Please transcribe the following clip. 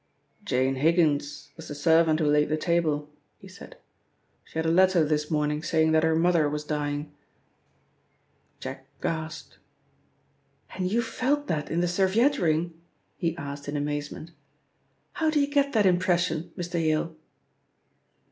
"Jane Higgins was the servant who laid the table," he said. "She had a letter this morning saying that her mother was dying." Jack gasped. "And you felt that in the serviette ring?" he asked in amazement. "How do you get that impression, Mr. Yale?"